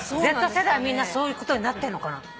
Ｚ世代はみんなそういうことになってんのかな。